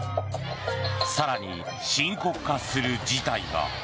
更に、深刻化する事態が。